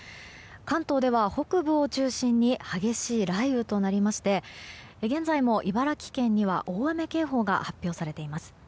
関東では北部を中心に激しい雷雨となりまして現在も茨城県には大雨警報が発表されています。